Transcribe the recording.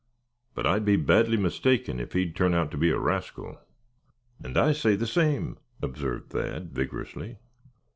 But I'd be badly mistaken if he would turn out to be a rascal." "And I say the same," observed Thad, vigorously.